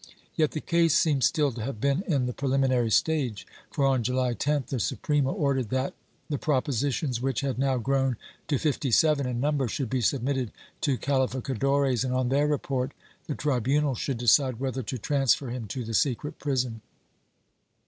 Yet the case seems still to have been in the preliminary stage for on July 10th the Suprema ordered that the propositions, which had now grown to fifty seven in number, should be sul3mitted to calificadores and on their report the tribunal should decide whether to transfer him to the secret prison.